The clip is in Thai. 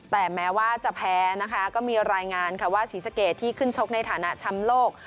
แต่แม้ว่าจะแพ้นะคะก็มีรายงานค่ะว่าศรีสะเกดที่ขึ้นชกในฐานะช้ำโลก